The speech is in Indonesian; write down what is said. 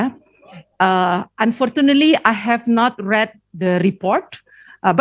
alhamdulillah saya belum membaca laporan ini